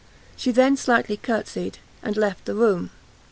She then slightly courtsied, and left the room.